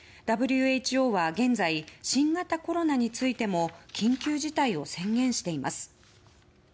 ＷＨＯは現在新型コロナウイルスについても緊急事態を宣言しています。